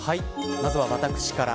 まずは私から。